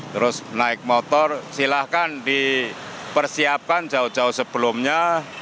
terus naik motor silahkan dipersiapkan jauh jauh sebelumnya